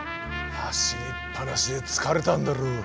走りっぱなしで疲れたんだろ。